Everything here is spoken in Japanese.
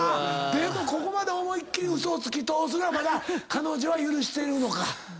でもここまで思いっ切り嘘をつきとおすのはまだ彼女は許してるのか。